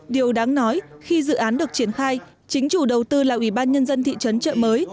điều đáng nói khi dự án được triển khai chính chủ đầu tư là ủy ban nhân dân thị trấn trợ mới